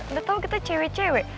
udah tahu kita cewek cewek